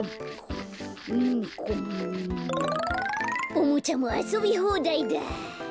おもちゃもあそびほうだいだ。